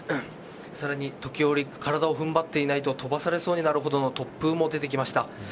時折、体を踏ん張っていないと飛ばされそうになるほどの突風も出てきました。